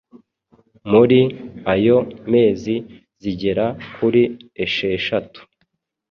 muri ayo mezi zigera kuri esheshatu